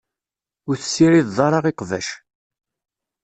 Ur tessirid ara iqbac